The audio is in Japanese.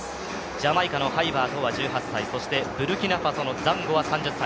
ジャマイカのハイバートは１８歳、ブルキナファソザンゴは３０歳。